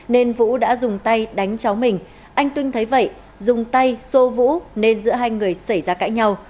nên vũ đã dùng tay đánh cháu mình anh tuyên thấy vậy dùng tay sô vũ nên giữa hai người xảy ra cãi nhau